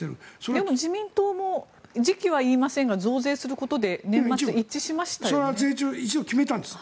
でも自民党も時期は言いませんが増税することで年末、一致しましたよね。